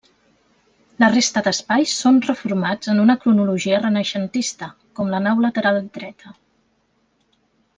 La resta d'espais són reformats en una cronologia renaixentista, com la nau lateral dreta.